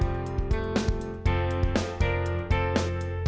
aduh aduh aduh aduh